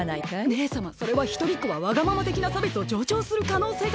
姉様それは「１人っ子はわがまま」的な差別を助長する可能性が！